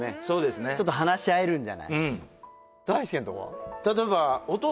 そうですねちょっと話し合えるんじゃない大輔のとこは？